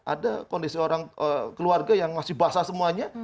ada kondisi orang keluarga yang masih basah semuanya